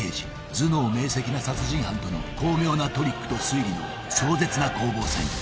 頭脳明晰な殺人犯との巧妙なトリックと推理の壮絶な攻防戦］